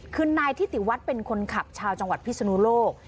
คือนายทิติวัฒน์เป็นคนขับชาวจังหวัดพิศนุโลก